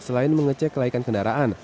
selain mengecek kelayakan kendaraan